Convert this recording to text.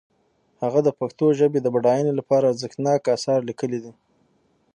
هغه د پښتو ژبې د بډاینې لپاره ارزښتناک آثار لیکلي دي.